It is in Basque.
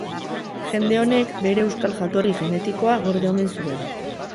Jende honek bere euskal jatorri genetikoa gorde omen zuen.